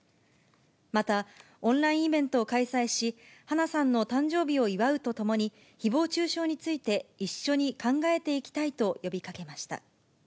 またオンラインイベントを開催し、花さんの誕生日を祝うとともに、ひぼう中傷について一緒に考えていきたいと呼びかけました。